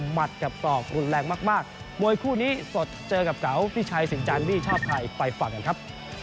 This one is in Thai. หมัดกับซอกรุนแรงมากมวยคู่นี้สดเจอกับเจ้าพี่ชายสิงห์จานดี้ชอบไทยไปฝังกันครับ